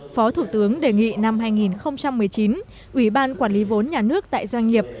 phó thủ tướng đề nghị năm hai nghìn một mươi chín ủy ban quản lý vốn nhà nước tại doanh nghiệp